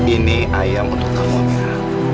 ini ayam untuk kamu amira